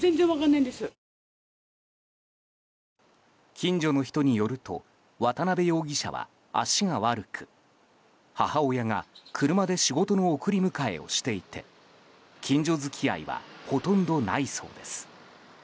近所の人によると渡邉容疑者は足が悪く母親が車で仕事の送り迎えをしていて近所付き合いはほとんどないそうです。